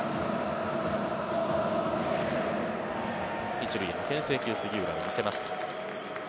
１塁へのけん制球杉浦、見せます。